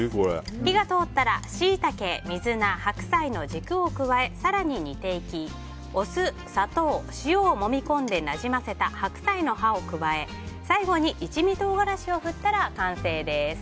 火が通ったらシイタケ水菜、白菜の軸を加え更に煮ていきお酢、砂糖、塩をもみ込んでなじませた白菜の葉を加え最後に一味唐辛子を振ったら完成です。